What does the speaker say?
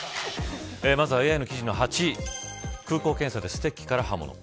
ＡＩの記事の８位空港検査でステッキから刃物。